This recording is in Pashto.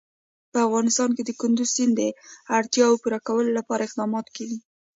په افغانستان کې د کندز سیند د اړتیاوو پوره کولو لپاره اقدامات کېږي.